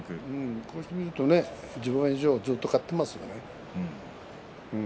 こうして見ると１０番以上ずっと勝っていますからね。